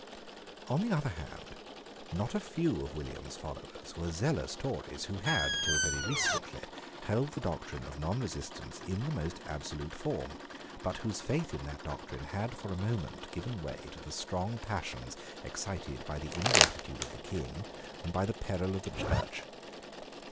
On the other hand, not a few of William's followers were zealous Tories, who had, till very recently, held the doctrine of nonresistance in the most absolute form, but whose faith in that doctrine had, for a moment, given way to the strong passions excited by the ingratitude of the King and by the peril of the Church.